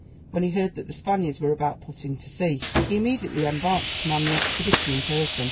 When he heard that the Spaniards were about putting to sea, he immediately embarked to command the expedition in person.